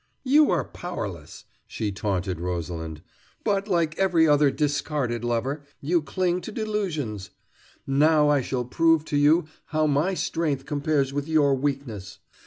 "You are powerless," she taunted Rosalind, "but, like every other discarded lover, you cling to delusions. Now I shall prove to you how my strength compares with your weakness.